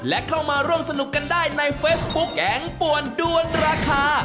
และเข้ามาร่วมสนุกกันได้ในเฟซบุ๊คแกงป่วนด้วนราคา